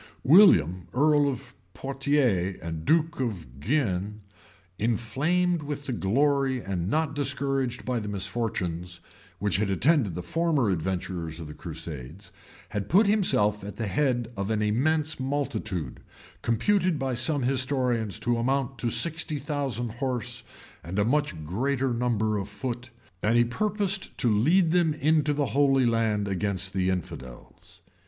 William earl of Poitiers and duke of Guienne, inflamed with the glory and not discouraged by the misfortunes, which had attended the former adventurers in the crusades, had put himself at the head of an immense multitude, computed by some historians to amount to sixty thousand horse, and a much greater number of foot,[] and he purposed to lead them into the Holy Land against the infidels.